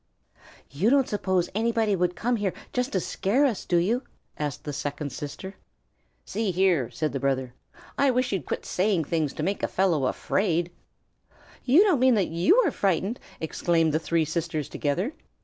"You don't suppose anybody would come here just to scare us, do you?" asked the second sister. "See here," said the brother, "I wish you'd quit saying things to make a fellow afraid." "You don't mean that you are frightened!" exclaimed the three sisters together.